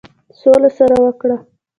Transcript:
سوله سره وکړه.